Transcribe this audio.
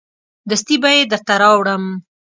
دستي به یې درته راوړم.